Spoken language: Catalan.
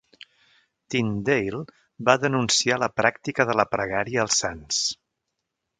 Tyndale va denunciar la pràctica de la pregària als sants.